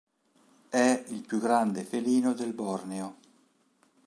È il più grande felino del Borneo.